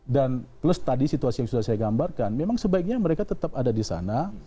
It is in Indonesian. dan plus tadi situasi yang sudah saya gambarkan memang sebaiknya mereka tetap ada di sana